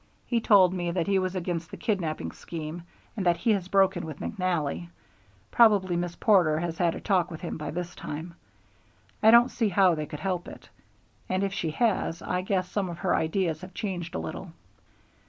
He told me that he was against that kidnapping scheme and that he has broken with McNally. Probably Miss Porter has had a talk with him by this time, I don't see how they could help it, and if she has, I guess some of her ideas have changed a little."